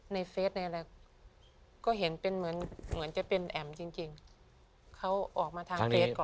ในเฟสก็เห็นเหมือนจะเป็นแอมจริงเขาออกมาทางเฟสก่อน